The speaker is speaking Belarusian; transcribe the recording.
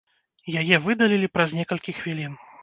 Яе выдалілі праз некалькі хвілін.